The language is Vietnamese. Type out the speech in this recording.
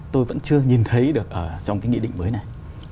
tôi vẫn chưa nhìn thấy được ở trong cái nghị định mới này